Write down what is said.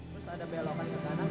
terus ada belokan ke kanan